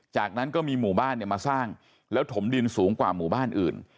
จากนั้นก็มีหมู่บ้านมาสร้างแล้วถมดินสูงกว่าหมู่บ้านอื่น